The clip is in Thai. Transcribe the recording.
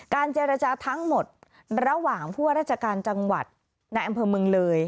เจรจาทั้งหมดระหว่างผู้ว่าราชการจังหวัดในอำเภอเมืองเลย